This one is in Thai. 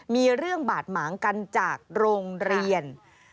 มีเรื่องบาดหมางกันจากโรงเรียน